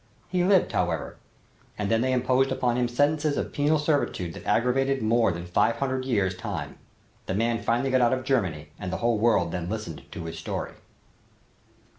He lived, however, and then they imposed upon him sentences of penal servitude that aggregated more than five hundred years' time. This man finally got out of Germany and the whole world then listened to his story.